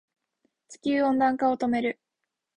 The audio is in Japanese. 地球温暖化を止める